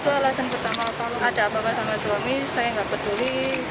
itu alasan pertama kalau ada apa apa sama suami saya tidak peduli